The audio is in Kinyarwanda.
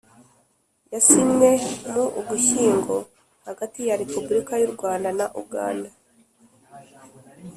Yasinywe mu Ugushyingo hagati ya Repubulika y’u Rwanda na Uganda